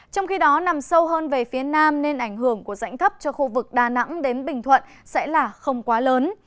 trong khi đó nằm sâu hơn về phía nam nên ảnh hưởng của rãnh thấp cho khu vực đà nẵng đến bình thuận sẽ là không quá lớn